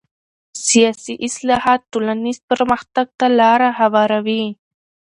سیاسي اصلاحات ټولنیز پرمختګ ته لاره هواروي